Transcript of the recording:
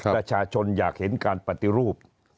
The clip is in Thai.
ประชาชนอยากเห็นการปฏิรูป